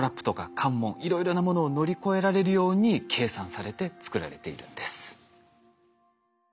いろいろなものを乗り越えられるように計算されて作られているんです。